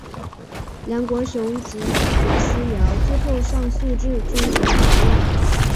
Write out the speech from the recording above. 梁国雄及古思尧最后上诉至终审法院。